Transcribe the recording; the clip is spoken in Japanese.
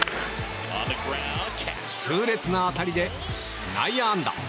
痛烈な当たりで内野安打。